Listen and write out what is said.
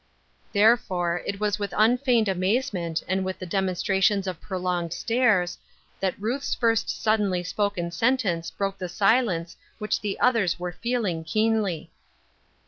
Therefore, it was with unfeigned amazement and with the demonstrations of prolonged stares, that Ruth's first suddenly spoken sentence broke the silence which the others were feeling keenly.